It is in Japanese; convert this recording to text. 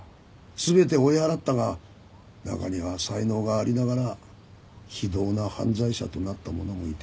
全て追い払ったが中には才能がありながら非道な犯罪者となった者もいてな。